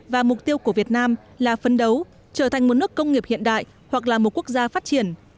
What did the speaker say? và mục tiêu của việt nam là phấn đấu trở thành một nước công nghiệp hiện đại hoặc là một quốc gia phát triển